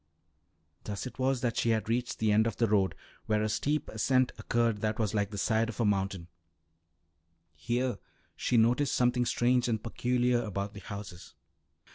Thus it was that she had reached the end of the road, where a steep ascent occurred that was like the side of a mountain, ere she noticed something strange and peculiar about the houses.